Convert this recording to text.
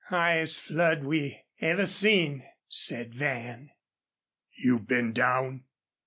"Highest flood we ever seen," said Van. "You've been down?"